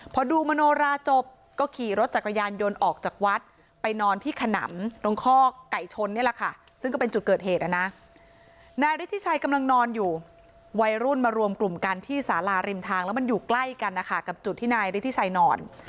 พอดูมโนราจบก็ขี่รถจักรยานยนต์ออกจากวัดไปนอนที่ขนำตรงคอกไก่ชนนี่แหละค่ะซึ่งก็เป็นจุดเกิดเหตุนะนายฤทธิชัยกำลังนอนอยู่วัยรุ่นมารวมกลุ่มกันที่สาราริมทางแล้วมันอยู่ใกล้กันนะคะกับจุดที่นายฤทธิชัยนอน